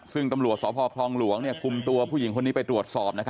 ซึ่งตำรวจสพคลองหลวงคุมตัวผู้หญิงคนนี้ไปตรวจสอบ